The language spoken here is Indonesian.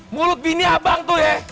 mulut bini abang tuh ya